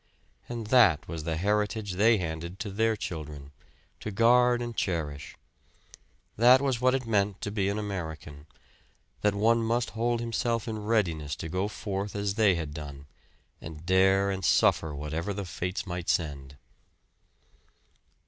And that was the heritage they handed to their children, to guard and cherish. That was what it meant to be an American; that one must hold himself in readiness to go forth as they had done, and dare and suffer whatever the fates might send.